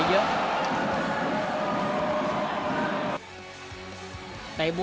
สวัสดีครับ